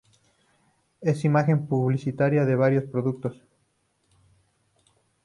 Es imagen publicitaria de varios productos.